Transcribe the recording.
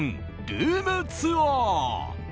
ルームツアー！